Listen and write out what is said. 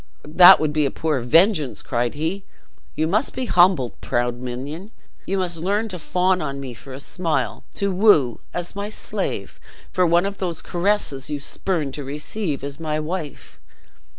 "That would be a poor vengeance," cried he; "you must be humbled, proud minion, you must learn to fawn on me for a smile; to woo, as my slave, for one of those caresses you spurned to receive as my wife."